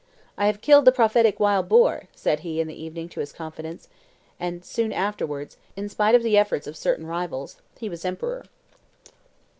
"I have killed the prophetic wild boar," said he in the evening to his confidants; and soon afterwards, in spite of the efforts of certain rivals, he was emperor.